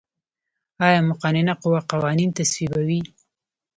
آیا مقننه قوه قوانین تصویبوي؟